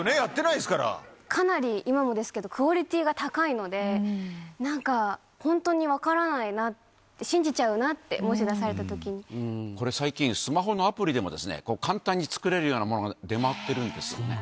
そうでかなり今もですけど、クオリティーが高いので、なんか、本当に分からないなって、信じちゃうなって、これ、最近、スマホのアプリでも、簡単に作れるようなものが出回っているんですよね。